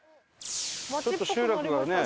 ちょっと集落がね。